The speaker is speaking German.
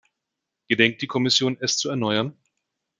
Gedenkt die Kommission, es zu erneuern?